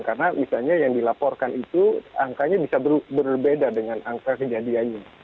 karena misalnya yang dilaporkan itu angkanya bisa berbeda dengan angka kejadiannya